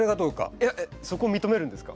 えっそこ認めるんですか？